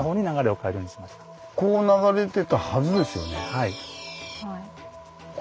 はい。